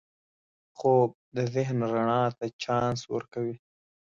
خوب د ذهن رڼا ته چانس ورکوي